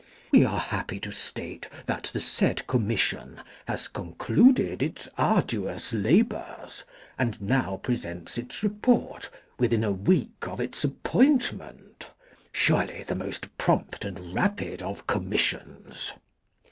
We are happy to state that the said Commission has concluded its arduous labors, and now presents its report within a week of its appointment; surely the most prompt and rapid of commissions.